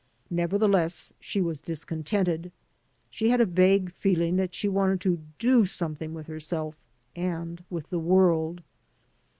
Never theless, she was discontented. She had a vague feeling that she wanted to "do something with herself and with the world.